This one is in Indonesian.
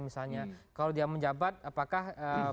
misalnya kalau dia menjabat apakah